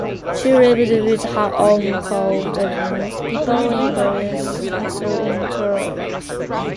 She lived with her own court of Milanese people in various castles in Tyrol.